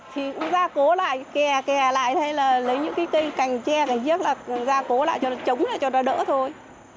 thì cũng ra cố lại kè lại hay là lấy những cái cành tre cành giếc ra cố lại chống lại cho nó đỡ thôi